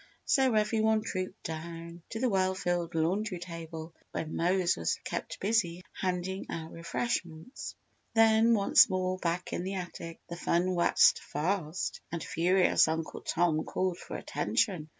So every one trooped down to the well filled laundry table where Mose was kept busy handing our refreshments. Then once more back in the attic, the fun waxed fast and furious until Uncle Tom called for attention!